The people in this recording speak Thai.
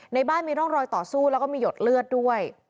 ในบ้านมีร่องรอยต่อสู้แล้วก็มีหยดเลือดด้วย